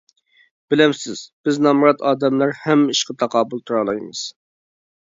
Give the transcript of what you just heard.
بىلەمسىز، بىز نامرات ئادەملەر ھەممە ئىشقا تاقابىل تۇرالايمىز!